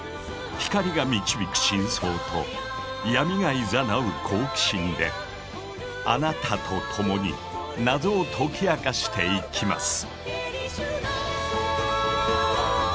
光が導く真相と闇がいざなう好奇心であなたと共に謎を解き明かしていきます。